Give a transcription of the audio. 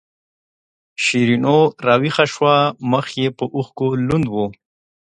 شیرینو راویښه شوه مخ یې په اوښکو لوند و.